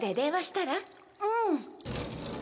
うん。